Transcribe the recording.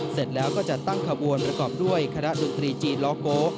เสร็จแล้วก็จะตั้งขบวนประกอบด้วยคณะดนตรีจีนล้อโก๊